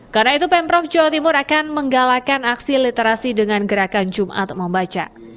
karena itu pemprov jawa timur akan menggalakan aksi literasi dengan gerakan jumat membaca